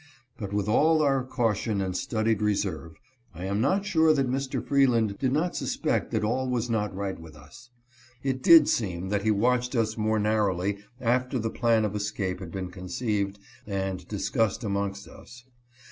But with all our caution and studied reserve, I am not sure that Mr. Freeland did not suspect that all was not right with us. It did seem that he watched us more narrowly after the plan of escape had been conceived and discussed amongst us.